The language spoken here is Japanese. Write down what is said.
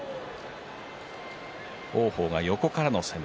王鵬の横からの攻め